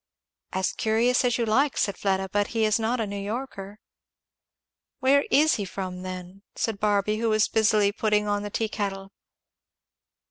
"As curious as you like," said Fleda, "but he is not a New Yorker." "Where is he from, then?" said Barby, who was busily putting on the tea kettle.